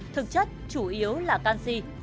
thực chất chủ yếu là canxi